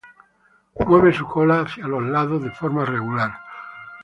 Mueve su cola hacia los lados de forma regular.